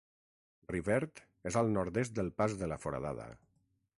Rivert és al nord-est del Pas de la Foradada.